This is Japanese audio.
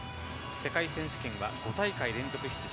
世界選手権は５大会連続出場。